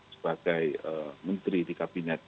sebagai menteri di kabinet